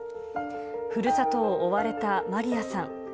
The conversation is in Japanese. ふるさとを追われたマリヤさん。